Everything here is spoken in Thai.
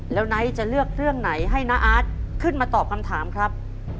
แล้วไนท์จะเลือกเรื่องไหนให้น้าอาร์ตขึ้นมาตอบคำถามครับ